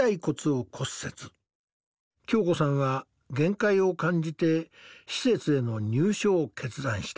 恭子さんは限界を感じて施設への入所を決断した。